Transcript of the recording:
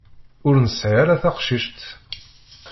Ur nesɛi ara taqcict.